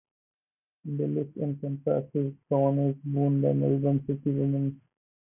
The list encompasses the honours won by Melbourne City Women.